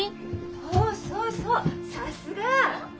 そうそうそうさすが！